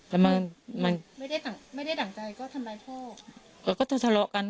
ไม่ได้ดั่งใจก็ทำไมพ่อ